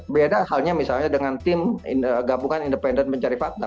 beda halnya misalnya dengan tim gabungan independen mencari fakta